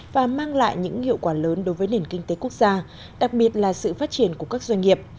và mang lại những hiệu quả lớn đối với nền kinh tế quốc gia đặc biệt là sự phát triển của các doanh nghiệp